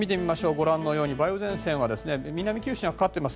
ご覧のように梅雨前線は南九州にかかっています。